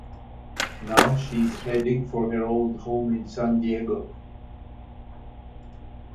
Now she is heading for her old home in San Diego.